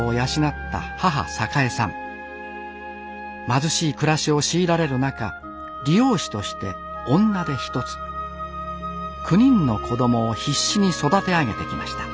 貧しい暮らしを強いられる中理容師として女手一つ９人の子供を必死に育て上げてきました